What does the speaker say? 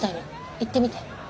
言ってみて。